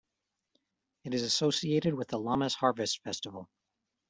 It is associated with the Lammas harvest festival.